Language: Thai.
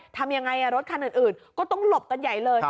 ทำยังไงรถคันอื่นก็ต้องหลบกันใหญ่เลย